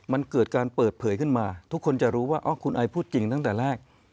มันเกิดการเปิดเผยขึ้นมาทุกคนจะรู้ว่าคุณไอพูดจริงตั้งแต่แรก